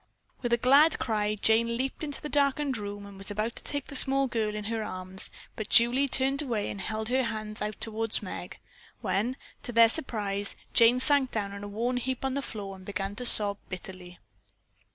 With a glad cry Jane leaped into the darkened room and was about to take the small girl in her arms, but Julie turned away and held her hands out toward Meg, when to their surprise Jane sank down in a worn out heap on the floor and began to sob bitterly.